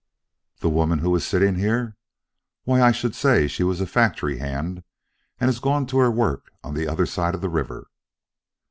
"The woman who was sitting here? Why, I should say she was a factory hand and has gone to her work on the other side of the river."